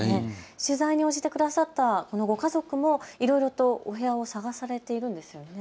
取材に応じてくださったこのご家族もいろいろとお部屋を探されているんですよね。